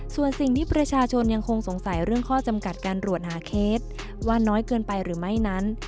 ส่วนสิ่งที่ประชาชนยังคงสงสัยเรื่องข้อจำกัดการรวดหาเคสว่าน้อยเกินไปหรือไม่นั้น